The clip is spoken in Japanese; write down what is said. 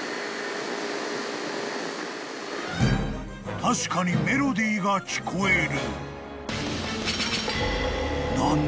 ［確かにメロディーが聞こえる］